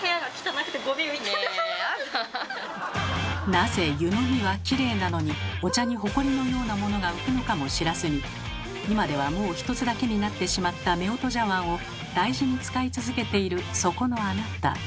なぜ湯のみはきれいなのにお茶にホコリのようなものが浮くのかも知らずに今ではもう一つだけになってしまった夫婦茶わんを大事に使い続けているそこのあなた。